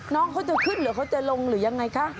น้องเขาจะขึ้นหรือเขาจะลงหรือยังไงคะ